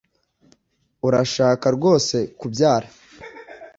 Urashaka rwose kubyara